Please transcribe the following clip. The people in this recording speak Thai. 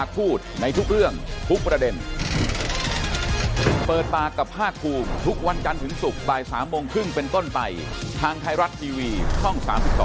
พูดคุยกัน